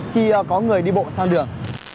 khi có người đi bộ sang đường